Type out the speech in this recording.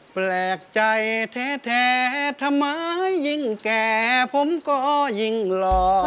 แปลกใจแท้ทำไมยิ่งแก่ผมก็ยิ่งหล่อ